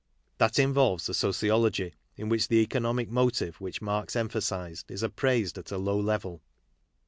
That involves a sociology in which the economic motive which Marx emphasized is appraised at a low level.